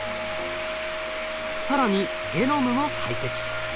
更にゲノムも解析。